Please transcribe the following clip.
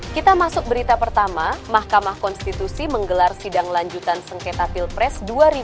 kita masuk berita pertama mahkamah konstitusi menggelar sidang lanjutan sengketa pilpres dua ribu sembilan belas